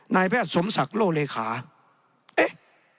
นายแพทย์สมศักดิ์โลเลขาเอ๊ะ